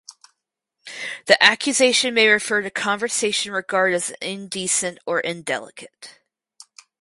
The accusation may refer to conversation regarded as indecent or indelicate.